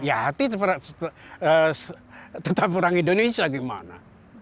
ya hati tetap orang indonesia gimana